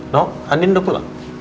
nuh andi udah pulang